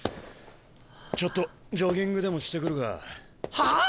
ちょっとジョギングでもしてくるか。はあ！？